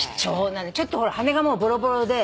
ちょっと羽がもうボロボロで。